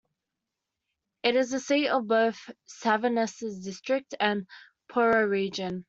It is the seat of both Savanes District and Poro Region.